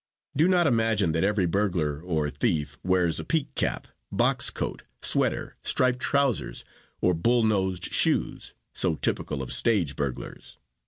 Do not imagine that every burglar or thief wears a peak cap, box coat, sweater, striped trousers or bull nosed shoes, so typical of stage burglars.